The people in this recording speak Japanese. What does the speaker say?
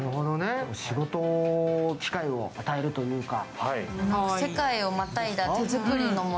仕事の機会を与えるというか。